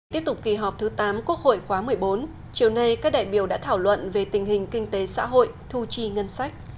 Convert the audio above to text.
tiếp tục kỳ họp thứ tám quốc hội khóa một mươi bốn chiều nay các đại biểu đã thảo luận về tình hình kinh tế xã hội thu chi ngân sách